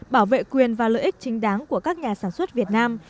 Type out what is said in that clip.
bảo vệ quyền và lợi ích chính đáng của các nhà sản xuất việt nam